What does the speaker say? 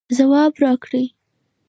ځواب راکړئ